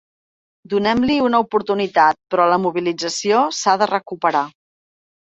Donem-li una oportunitat, però la mobilització s’ha de recuperar.